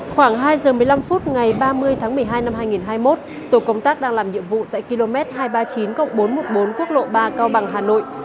khoảng hai giờ một mươi năm phút ngày ba mươi tháng một mươi hai năm hai nghìn hai mươi một tổ công tác đang làm nhiệm vụ tại km hai trăm ba mươi chín bốn trăm một mươi bốn quốc lộ ba cao bằng hà nội